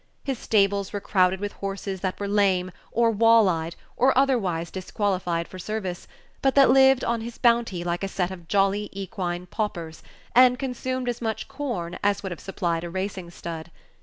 His stables were crowded with horses that were lame, or wall eyed, or otherwise disqualified for service, but that lived on his bounty like a set of jolly equine paupers, and consumed as much corn as would have supplied a racing stud.